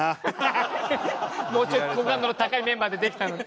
もうちょい好感度の高いメンバーでできたのに。